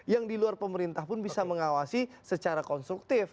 yang di luar pemerintah pun bisa mengawasi secara konstruktif